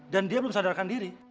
dan dia belum sadarkan diri